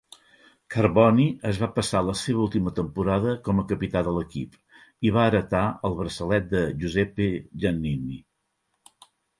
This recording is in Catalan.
Carboni es va passar la seva última temporada com a capità de l'equip i va heretar el braçalet de Giuseppe Giannini.